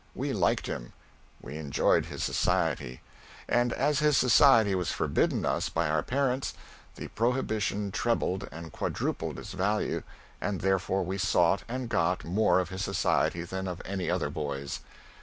We liked him; we enjoyed his society. And as his society was forbidden us by our parents, the prohibition trebled and quadrupled its value, and therefore we sought and got more of his society than of any other boy's.